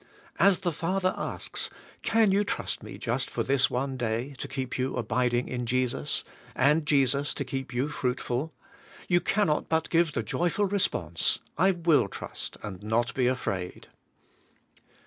As the Father asks, 'Can yon trust me just for this one day to keep you abid 112 ABIDE IN CHRIST: ing in Jesus, and Jesus to keep you fruitful?' you cannot but give the joyful response: 'I will trust and not be afraid.'